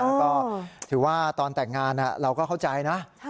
แล้วก็ถือว่าตอนแต่งงานเราก็เข้าใจนะ